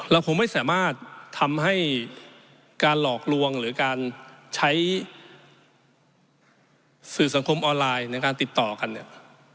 คงไม่สามารถทำให้การหลอกลวงหรือการใช้สื่อสังคมออนไลน์ในการติดต่อกันเนี่ย